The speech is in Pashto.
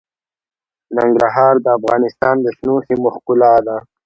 ننګرهار د افغانستان د شنو سیمو ښکلا ده.